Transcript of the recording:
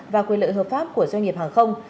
và quyền lợi hợp pháp của doanh nghiệp hàng không